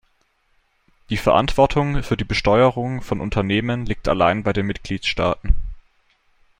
Die Verantwortung für die Besteuerung von Unternehmen liegt allein bei den Mitgliedstaaten.